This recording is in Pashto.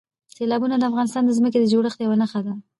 سیلابونه د افغانستان د ځمکې د جوړښت یوه نښه ده.